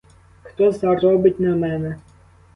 Хто заробить на мене?